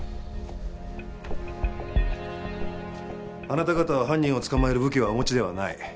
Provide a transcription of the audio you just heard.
あなた方は犯人を捕まえる武器はお持ちではない。